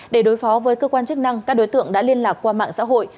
để đối phó với cơ quan chức năng các đối tượng đã liên lạc qua mạng xã hội